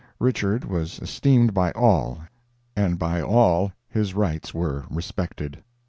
Richard was esteemed by all and by all his rights were respected.